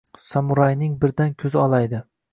“Samuray”ning birdan ko‘zi olaydi: